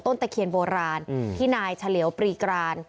ตะเคียนโบราณที่นายเฉลียวปรีกราน